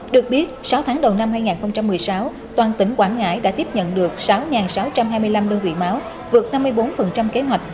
được biết sáu tháng đầu năm hai nghìn một mươi sáu toàn tỉnh quảng ngãi đã tiếp nhận được sáu sáu trăm hai mươi năm đơn vị máu vượt năm mươi bốn kế hoạch